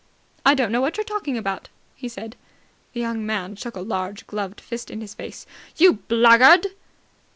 "I don't know what you're talking about," he said. The young man shook a large, gloved fist in his face. "You blackguard!"